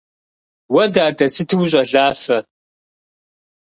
- Уэ, дадэ, сыту ущӀалафэ!